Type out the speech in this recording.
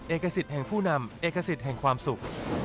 เอกสิทธิ์แห่งผู้นำเอกสิทธิ์แห่งความสุข